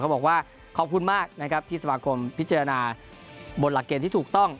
บอกว่าขอบคุณมากนะครับที่สมาคมพิจารณาบนหลักเกณฑ์ที่ถูกต้อง